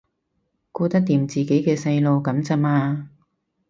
顧得掂自己嘅細路噉咋嘛